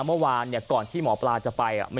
เมื่อวานเนี่ยก่อนที่หมอปลาจะไปอ่ะ